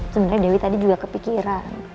sebenarnya dewi tadi juga kepikiran